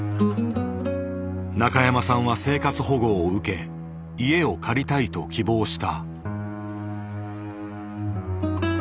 中山さんは生活保護を受け家を借りたいと希望した。